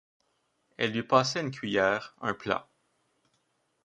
Elle lui passait une cuiller, un plat.